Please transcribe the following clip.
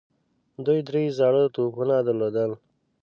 دوی درې زاړه توپونه درلودل.